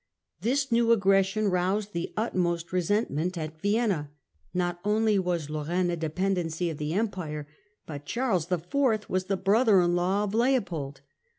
This new aggression roused the utmost resentment at Vienna. Not only was Lorraine a dependency of the Empire, but Charles IV. was the brother in law of Leopold.